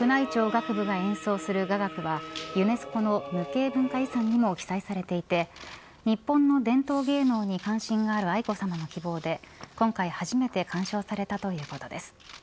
宮内庁楽部が演奏する雅楽はユネスコの無形文化遺産にも記載されていて日本の伝統芸能に関心がある愛子さまの希望で今回初めて鑑賞されたということです。